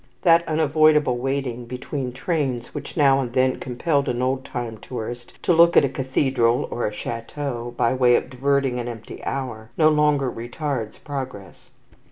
That unavoidable waiting between trains which now and then compelled an old time tourist to look at a cathedral or a chateau, by way of diverting an empty hour, no longer retards progress.